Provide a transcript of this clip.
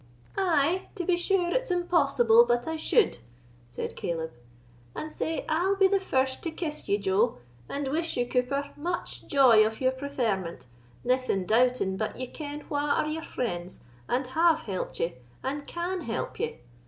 "Ay, to be sure it's impossible but I should," said Caleb; "and sae I'll be the first to kiss ye, joe, and wish you, cooper, much joy of your preferment, naething doubting but ye ken wha are your friends, and have helped ye, and can help ye.